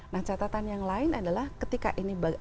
nah catatan yang lain adalah ketika ini